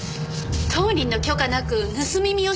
当人の許可なく盗み見をしたわけですか？